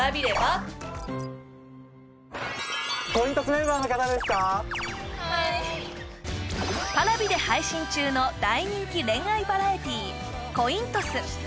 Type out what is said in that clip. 次週はＰａｒａｖｉで配信中の大人気恋愛バラエティ「恋んトス」